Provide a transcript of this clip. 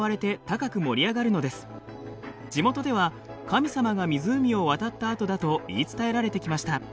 地元では神様が湖を渡った跡だと言い伝えられてきました。